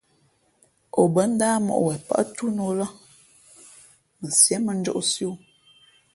O bάndáh mǒʼ wen pάʼ túná ō lά mα Sié mᾱ njōʼsī o.